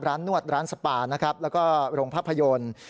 ร้านนวดร้านสปาแล้วก็โรงภาพยนตร์